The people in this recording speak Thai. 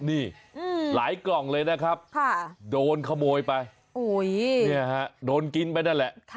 นี่หลายกล่องเลยนะครับโดนขโมยไปโดนกินไปนั่นแหละ